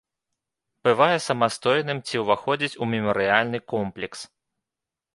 Бывае самастойным ці ўваходзіць у мемарыяльны комплекс.